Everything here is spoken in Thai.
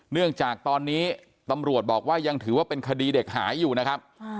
เนื่องจากตอนนี้ตำรวจบอกว่ายังถือว่าเป็นคดีเด็กหายอยู่นะครับ